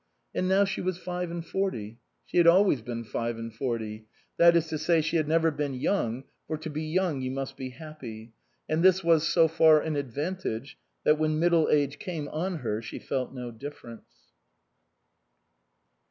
And now she was five and forty ; she had always been five and forty ; that is to say, she had never been young, for to be young you must be happy. And this was so far an advantage, that when middle age came on her she felt no difference.